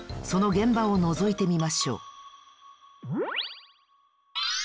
そのげんばをのぞいてみましょう。